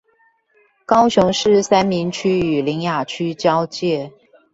高雄市三民區與苓雅區交界